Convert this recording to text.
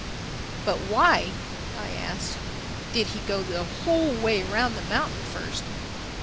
"But why," I asked, "did he go the whole way round the mountain first?"